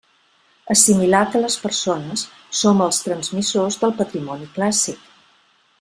Assimilar que les persones som els transmissors del patrimoni clàssic.